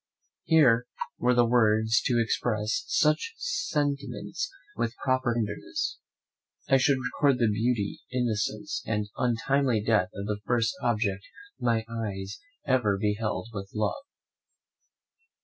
Here, were there words to express such sentiments with proper tenderness, I should record the beauty, innocence, and untimely death of the first object my eyes ever beheld with love.